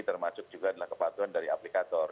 termasuk juga adalah kepatuhan dari aplikator